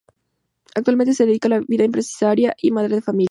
Actualmente se dedica a la vida empresaria y madre de familia.